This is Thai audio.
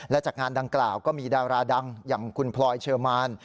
และจากงานดังกล่าวก็มีดาราดังอย่างคุณพลอยเชอร์มาน